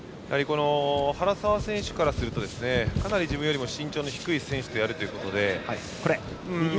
原沢選手からするとかなり自分よりも身長の低い選手だということで。